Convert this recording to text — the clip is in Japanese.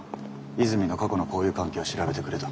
泉の過去の交友関係を調べてくれと。